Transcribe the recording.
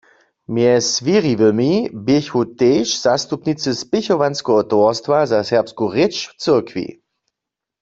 Mjez wěriwymi běchu tež zastupnicy Spěchowanskeho towarstwa za serbsku rěč w cyrkwi.